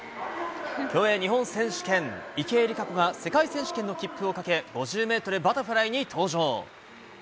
競泳日本選手権、池江璃花子が世界選手権の切符をかけ、５０メートルバタフライに登場。